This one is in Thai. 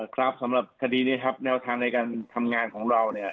ครับสำหรับคดีนี้ครับแนวทางในการทำงานของเราเนี่ย